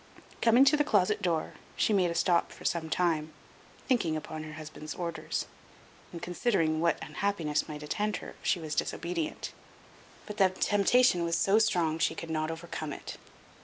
Coming to the closet door, she made a stop for some time, thinking upon her husband's orders, and considering what unhappiness might attend her if she was disobedient; but the temptation was so strong she could not overcome it.